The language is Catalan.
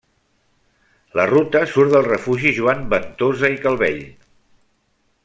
La ruta surt del Refugi Joan Ventosa i Calvell.